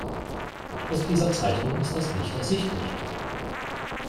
Aus dieser Zeichnung ist das nicht ersichtlich.